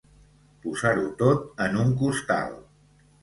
Posar-ho tot en un costal.